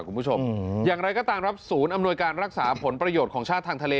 คุณผู้ชมอย่างไรก็ตามครับศูนย์อำนวยการรักษาผลประโยชน์ของชาติทางทะเล